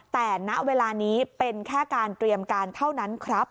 แต่ณเวลานี้เป็นแค่การเตรียมการเท่านั้นครับ